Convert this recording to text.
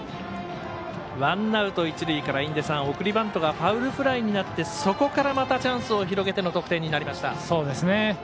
ワンアウト、一塁から送りバントがファウルフライになってそこから、またチャンスを広げて得点になりました。